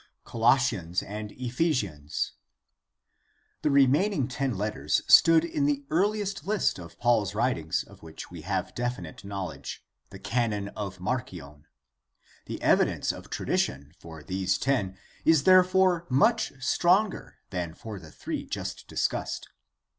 Colossians and Ephesians. — The remaining ten letters stood in the earliest list of Paul's writings of which we have definite knowledge, the canon of Marcion. The evidence of tradition for these ten is therefore much stronger than for the three just discussed.